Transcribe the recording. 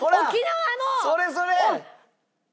それそれ！